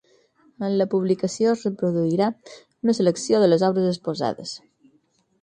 En la publicació es reproduirà una selecció de les obres exposades.